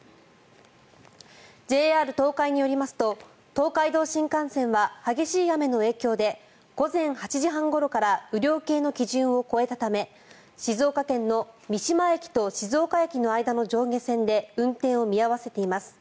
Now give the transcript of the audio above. ＪＲ東海によりますと東海道新幹線は激しい雨の影響で午前８時半ごろから雨量計の基準を超えたため静岡県の三島駅と静岡駅の間の上下線で運転を見合わせています。